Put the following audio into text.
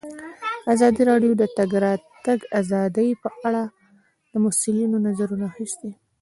ازادي راډیو د د تګ راتګ ازادي په اړه د مسؤلینو نظرونه اخیستي.